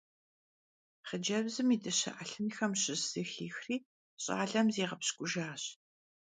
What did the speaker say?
Xhıcebzım yi dışe 'elhınxem şış zı xixri ş'alem ziğepşk'ujjaş.